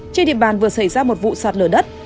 trên địa bàn vừa xảy ra một vụ sạt lở đất